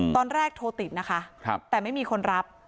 ตอนแรกโทรติดนะคะแต่ไม่มีคนรับ